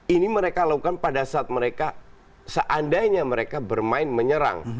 ini mereka lakukan pada saat mereka seandainya mereka bermain menyerang